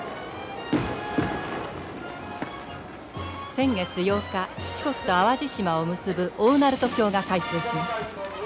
先月８日四国と淡路島を結ぶ大鳴門橋が開通しました。